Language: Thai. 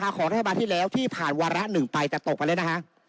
ของการศึกษาฉบับที่แล้วที่ผ่านวาระหนึ่งไปแต่ตกไปแล้วนะคะ